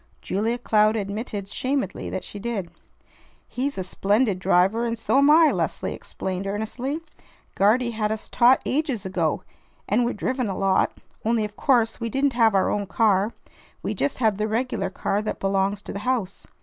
Julia Cloud admitted shamedly that she did. "He's a splendid driver, and so am I," Leslie explained earnestly. "Guardy had us taught ages ago, and we're driven a lot; only of course we didn't have our own car. We just had the regular car that belongs to the house.